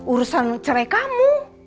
urusan cerai kamu